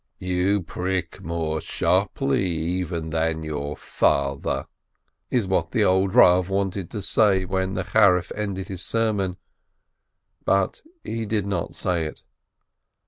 "You prick more sharply even than your father," is what the old Rav wanted to say when the Charif ended his sermon, but he did not say it.